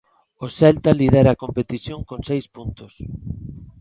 O Celta lidera a competición con seis puntos.